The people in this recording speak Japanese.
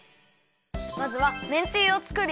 まずはめんつゆを作るよ。